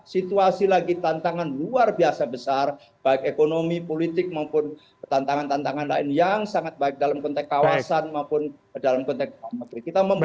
situasi lagi tantangan luar biasa besar baik ekonomi politik maupun tantangan tantangan lain yang sangat baik dalam konteks kawasan maupun dalam konteks